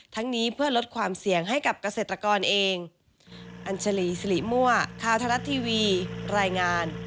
นี้เพื่อลดความเสี่ยงให้กับเกษตรกรเอง